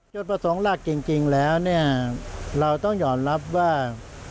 จุดประสงค์หลักจริงแล้วเนี่ยเราต้องยอมรับว่า